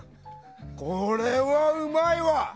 これはうまいわ！